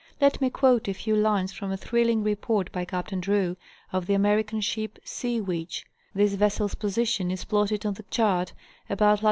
Let me quote a few lines from a thrilling report by Captain Drew,. of the American ship "Sea Witch" (this vessel's position is plotted on the chart about lat.